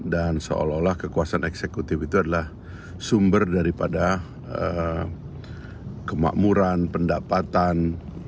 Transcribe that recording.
dan seolah olah kekuasaan eksekutif itu adalah sumber daripada kemakmuran pendapatan